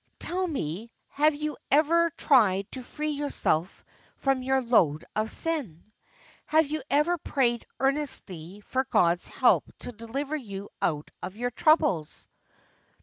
Tell me, have you ever tried to free yourself from your load of sin? Have you ever prayed earnestly for God's help to deliver you out of your troubles?